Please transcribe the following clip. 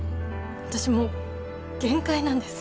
私もう限界なんです。